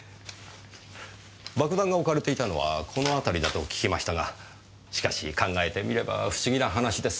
爆弾が置かれていたのはこの辺りだと聞きましたがしかし考えてみれば不思議な話です。